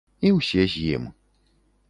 І ўсе з ім.